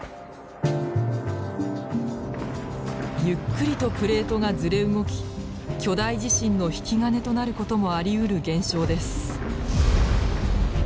ゆっくりとプレートがずれ動き巨大地震の引き金となることもありうる現象です。